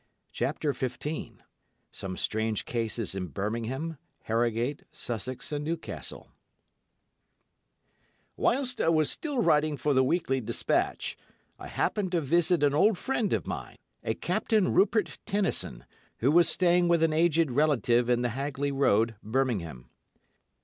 CHAPTER XV SOME STRANGE CASES IN BIRMINGHAM, HARROGATE, SUSSEX AND NEWCASTLE Whilst I was still writing for "The Weekly Despatch," I happened to visit an old friend of mine, a Captain Rupert Tennison, who was staying with an aged relative in the Hagley Road, Birmingham.